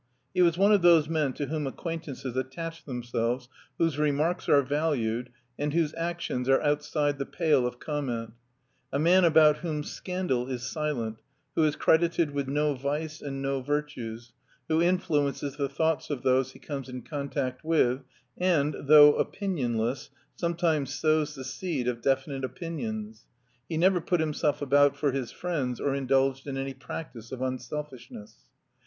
He was one of those men to whom acquaintances attach themselves, whose remarks are valued, and whose actions are outside the pale of comment : a man about whom scandal is silent, who is credited with no vice and no virtues, who influences the thoughts of those he comes in contact with, and, though opinionless, sometimes sows the seed of definite opinions. He never put himself about for his friends or indulged in any practice of tmselfishness.